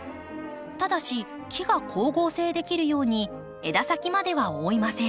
ただし木が光合成できるように枝先までは覆いません。